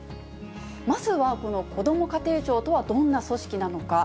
まずは、このこども家庭庁とはどんな組織なのか。